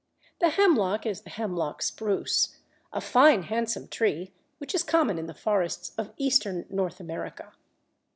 The "Hemlock" is the Hemlock spruce, a fine handsome tree which is common in the forests of Eastern North America.